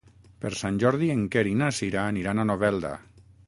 Per Sant Jordi en Quer i na Sira aniran a Novelda.